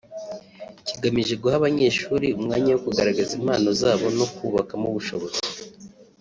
kigamije guha abanyeshuri umwanya wo kugaragaza impano zabo no kububakamo ubushobozi